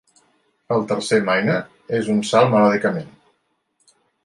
El tercer minor és un salt melòdicament.